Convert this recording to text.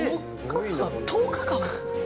１０日間？